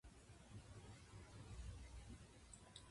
消し飛ばしてやる!